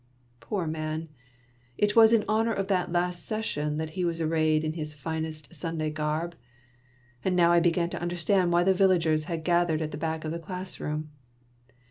Poor man ! It was in honor of that last session that he was arrayed in his finest Sunday garb, and now I began to understand why the villagers had gathered at the back of the class room.